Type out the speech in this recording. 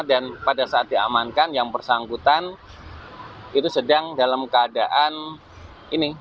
dan pada saat diamankan yang bersangkutan itu sedang dalam keadaan ini